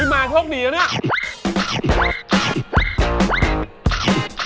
มาโทษดีแล้วเนี่ย